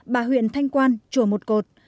bà huyện thanh quan chùa một cột